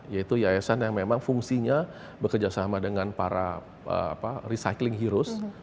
yaitu yayasan yang memang fungsinya bekerjasama dengan para recycling heroes